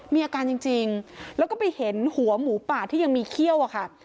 มีอาการจริงแล้วก็ไปเห็นหัวหมูป่าที่ยังมีเขี้ยวอะค่ะ